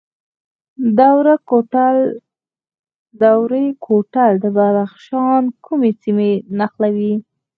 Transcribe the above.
دوره کوتل د بدخشان کومې سیمې نښلوي؟